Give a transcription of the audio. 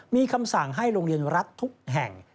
มีคำสั่งให้โรงเรียนรัฐทุกแห่ง